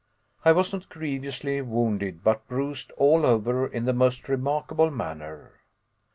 I was not grievously wounded, but bruised all over in the most remarkable manner.